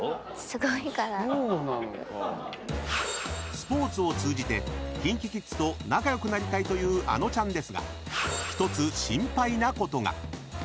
［スポーツを通じてＫｉｎＫｉＫｉｄｓと仲良くなりたいというあのちゃんですが１つ］